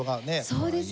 そうですね。